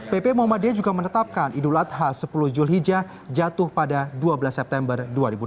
pp muhammadiyah juga menetapkan idul adha sepuluh julhijjah jatuh pada dua belas september dua ribu enam belas